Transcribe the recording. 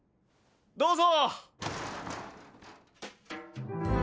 どうぞ！